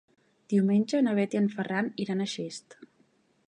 Diumenge na Bet i en Ferran iran a Xest.